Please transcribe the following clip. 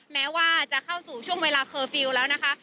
แม้ว่าจะเข้าสู่ช่วงเวลาแล้วนะคะ